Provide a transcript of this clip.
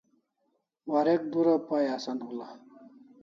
Warek dura Pai asan ul'a